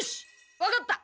わかった！